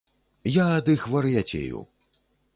Я ад іх вар'яцею.